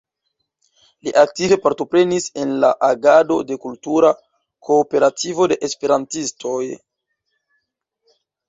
Li aktive partoprenis en la agado de Kultura Kooperativo de Esperantistoj.